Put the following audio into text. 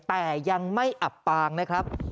แต่ยังไม่อับปางนะครับ